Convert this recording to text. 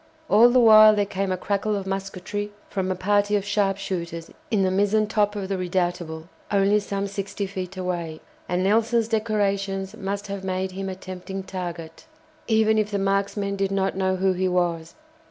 All the while there came a crackle of musketry from a party of sharpshooters in the mizen top of the "Redoutable," only some sixty feet away, and Nelson's decorations must have made him a tempting target, even if the marksmen did not know who he was.